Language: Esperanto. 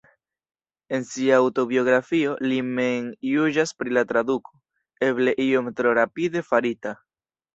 En sia aŭtobiografio li mem juĝas pri la traduko "eble iom tro rapide farita".